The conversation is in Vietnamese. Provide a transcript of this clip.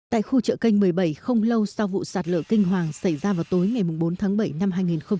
tại khu chợ kênh một mươi bảy không lâu sau vụ sạt lở kinh hoàng xảy ra vào tối ngày bốn tháng bảy năm hai nghìn một mươi chín